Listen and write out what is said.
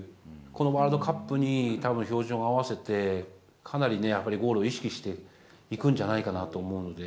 このワールドカップにたぶん、照準を合わせて、かなりね、やっぱりゴールを意識していくんじゃないかなと思うので。